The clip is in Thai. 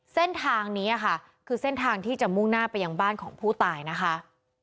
เส้นทางนี้ค่ะคือเส้นทางที่จะมุ่งหน้าไปยังบ้านของผู้ตายนะคะ